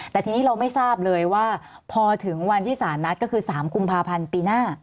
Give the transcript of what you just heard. แต่ทีนี้เราไม่ทราบเลยว่าพอถึงวันที่สารนัดก็คือ๓กุมภาพันธ์ปีหน้า